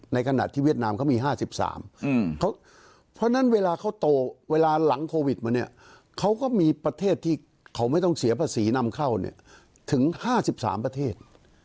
ในขณะที่เวียดนามเขามี๕๓เพราะฉะนั้นเวลาเขาโตเวลาหลังโควิดมาเนี่ยเขาก็มีประเทศที่เขาไม่ต้องเสียภาษีนำเข้าเนี่ยถึง๕๓ประเทศ